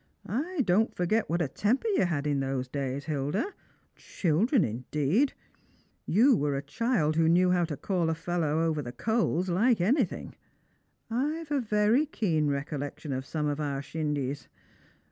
I don't forget what a temper you had in those days, Hilda. Children indeed ! You were a child who knew how to call a fellow over the coals like anything, ['ve a very keen recollection of some of our shindies.